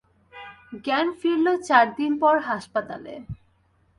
জ্ঞান ফিরল চারদিন পর হাসপাতালে।